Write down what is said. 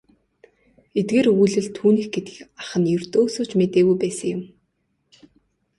Эдгээр өгүүлэл түүнийх гэдгийг ах нь ердөөсөө ч мэддэггүй байсан юм.